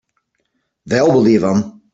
They'll believe him.